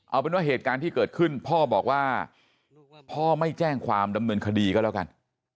เอาเป็นว่าเหตุการณ์ที่เกิดขึ้นพ่อบอกว่าพ่อไม่แจ้งความดำเนินคดีก็แล้วกัน